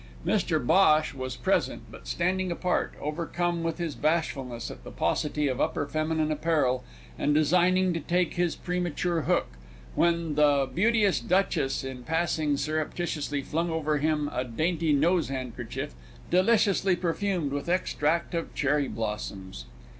Mr Bhosh was present, but standing apart, overcome with bashfulness at the paucity of upper feminine apparel and designing to take his premature hook, when the beauteous Duchess in passing surreptitiously flung over him a dainty nose handkerchief deliciously perfumed with extract of cherry blossoms.